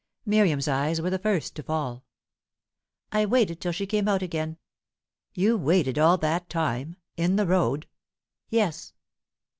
Miriam's eyes were the first to fall. "I waited till she came out again." "You waited all that time? In the road?" "Yes."